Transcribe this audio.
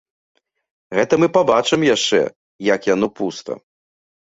Гэта мы пабачым яшчэ, як яно пуста!